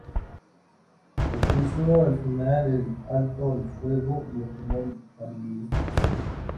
Propuso al final el alto al fuego y firmó el armisticio.